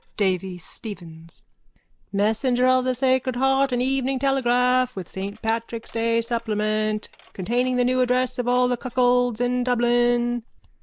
_ DAVY STEPHENS: Messenger of the Sacred Heart and Evening Telegraph with Saint Patrick's Day supplement. Containing the new addresses of all the cuckolds in Dublin.